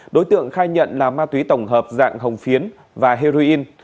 đối tượng khai nhận là ma túy tổng hợp dạng hồng phiến và heroin